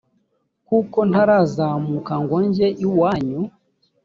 kuko ntarazamuka ngo njye iwanyu